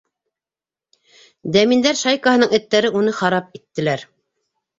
— Дәминдәр шайкаһының эттәре уны харап иттеләр.